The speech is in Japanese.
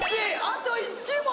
あと１問！